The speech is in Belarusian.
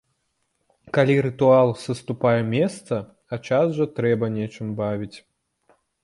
Калі рытуал саступае месца, а час жа трэба нечым бавіць!